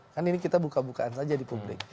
kan ini kita buka bukaan saja di publik